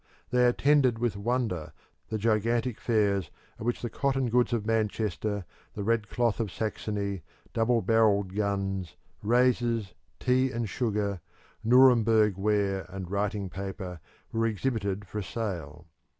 They attended with wonder the gigantic fairs at which the cotton goods of Manchester, the red cloth of Saxony, double barrelled guns, razors, tea and sugar, Nuremberg ware and writing paper were exhibited for sale.